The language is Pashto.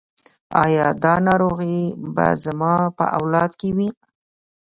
ایا دا ناروغي به زما په اولاد کې وي؟